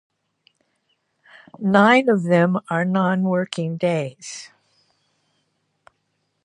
Nine of them are non-working days.